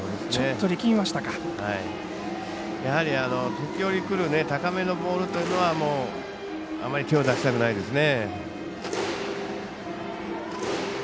時折くる高めのボールというのはあまり手を出したくないですね。